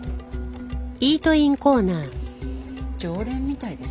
常連みたいですね。